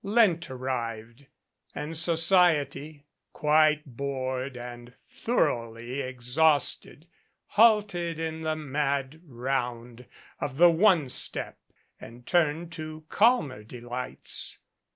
Lent arrived, and society, quite bored and thoroughly exhausted, halted in the mad round of the "one step" and turned to calmer delights.